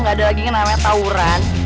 gak ada lagi yang namanya tauran